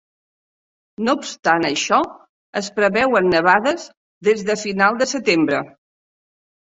No obstant això, es preveuen nevades des de final de setembre.